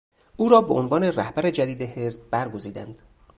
او را به عنوان رهبر جدید حزب برگزیدند.